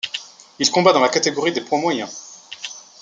Il combat dans la catégorie des poids moyens.